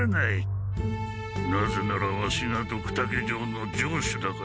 なぜならワシがドクタケ城の城主だから。